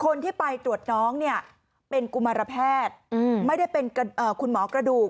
คนที่ไปตรวจน้องเนี่ยเป็นกุมารแพทย์ไม่ได้เป็นคุณหมอกระดูก